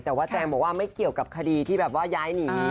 แต่ว่าแจงบอกว่าไม่เกี่ยวกับคดีที่แบบว่าย้ายหนี